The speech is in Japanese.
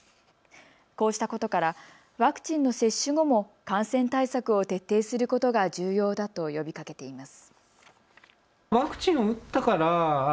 こうしたことからワクチンの接種後も感染対策を徹底することが重要だと呼びかけています。